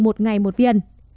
một ngày một viên